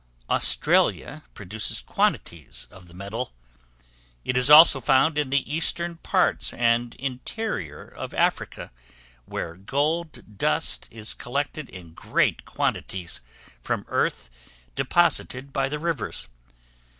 Australia produces quantities of the metal. It is also found in the eastern parts and interior of Africa, where gold dust is collected in great quantities from earth deposited by the rivers.